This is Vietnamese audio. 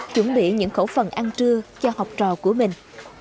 chuẩn bị những khẩu phần ăn trưa cho học trò của mình